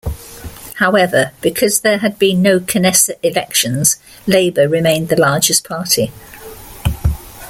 However, because there had been no Knesset elections, Labour remained the largest party.